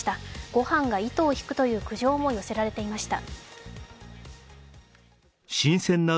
ごはんが糸を引くという苦情も寄せられていました。